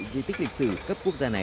di tích lịch sử cấp quốc gia này